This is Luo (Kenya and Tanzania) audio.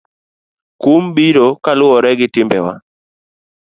Kum biro kaluwore gi timbewa.